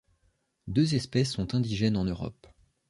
Deux espèces sont indigènes en Europe.